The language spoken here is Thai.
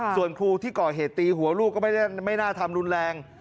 ส่วนครูที่ก่อเหตุตีหัวลูกก็ไม่น่าทำรุนแรง